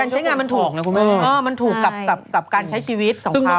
คุณแม่มันถูกกับการใช้ชีวิตของเขา